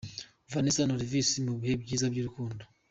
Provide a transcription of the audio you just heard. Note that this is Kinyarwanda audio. Vanessa na Olvis mu bihe byiza by'urukundo.